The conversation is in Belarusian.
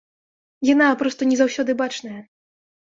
Яна проста не заўсёды бачная.